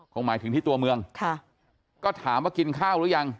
หมายถึงที่ตัวเมืองค่ะก็ถามว่ากินข้าวหรือยัง